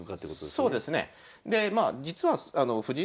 そうですね。